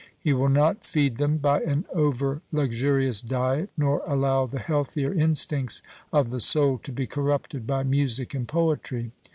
He will not feed them by an over luxurious diet, nor allow the healthier instincts of the soul to be corrupted by music and poetry.